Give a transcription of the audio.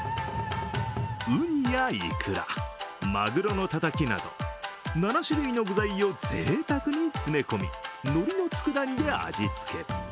ウニやいくらマグロのたたきなど７種類の具材をぜいたくに詰め込み、のりのつくだ煮で味つけ。